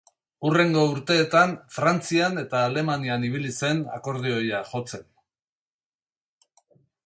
Hurrengo urteetan Frantzian eta Alemanian ibili zen akordeoia jotzen.